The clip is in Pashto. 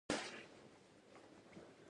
کتل د وجدان غږ ته ور رسېږي